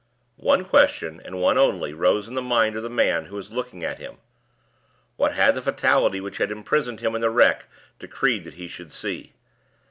One question, and one only, rose in the mind of the man who was looking at him. What had the fatality which had imprisoned him in the wreck decreed that he should see?